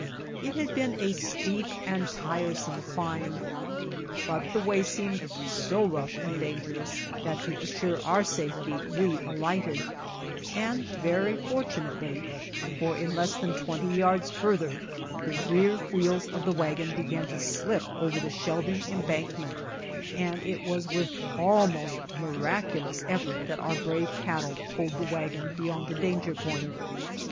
It had been a steep and tiresome climtb. For a time we had been riding in the wagon but the way seemed so rough and dangerous, that to assure our safety, we alighted, and very fortunately, for in less than twenty yards further, the rear wheels of the wagon began to slip over the shelving embank ment, and it was with alm^ost miraculous effort that our brave cattle pulled the wagon beyond the danger point.